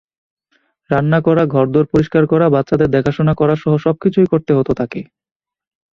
রান্না করা, ঘরদোর পরিষ্কার করা, বাচ্চাদের দেখাশোনা করাসহ সবকিছুই করতে হতো তাকে।